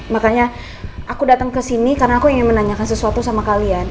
makanya aku datang ke sini karena aku ingin menanyakan sesuatu sama kalian